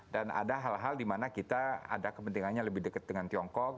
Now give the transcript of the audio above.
ada hal hal di mana kita ada kepentingannya lebih dekat dengan tiongkok